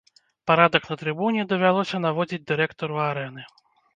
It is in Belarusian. Парадак на трыбуне давялося наводзіць дырэктару арэны.